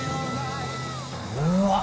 うーわっ！